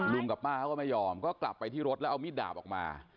กับป้าเขาก็ไม่ยอมก็กลับไปที่รถแล้วเอามีดดาบออกมา